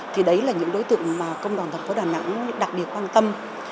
thì đấy là những đối tượng mà công đoàn tp đà nẵng đặc biệt quan tâm